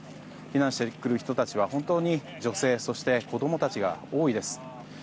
避難してくる人たちは本当に女性や子供たちが多いです。